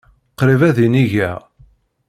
Qrib ad inigeɣ.